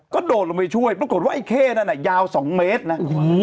ก็โดดลงไปช่วยปรากฏว่าไอ้เข้นั่นน่ะยาว๒เมตรนะ